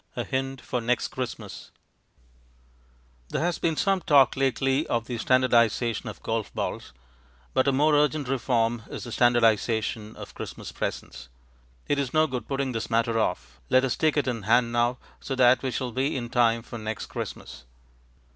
A Hint for Next Christmas There has been some talk lately of the standardization of golf balls, but a more urgent reform is the standardization of Christmas presents. It is no good putting this matter off; let us take it in hand now, so that we shall be in time for next Christmas.